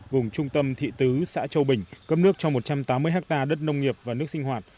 vùng trung tâm thị tứ xã châu bình cấp nước cho một trăm tám mươi hectare đất nông nghiệp và nước sinh hoạt